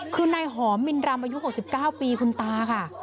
คือนายหอมมินรำอายุ๖๙ปีคุณตาค่ะ